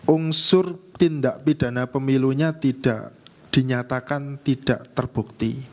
unsur tindak pidana pemilunya tidak dinyatakan tidak terbukti